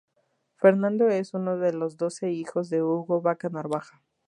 Fernando es uno de los doce hijos de Hugo Vaca Narvaja.